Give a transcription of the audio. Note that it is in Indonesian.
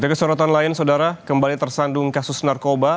kesorotan lain saudara kembali tersandung kasus narkoba